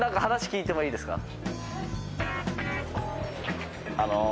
話聞いてもいいですか？